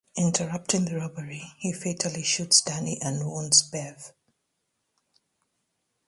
Interrupting the robbery, he fatally shoots Danny and wounds Bev.